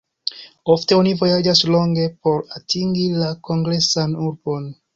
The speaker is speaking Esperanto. Ofte oni vojaĝas longe por atingi la kongresan urbon.